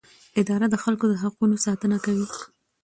اداره د خلکو د حقونو ساتنه کوي.